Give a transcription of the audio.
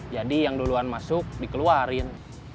jadi yang duluan masuk dikeluarin